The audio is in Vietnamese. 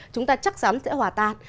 chúng ta chắc chắn sẽ hòa tan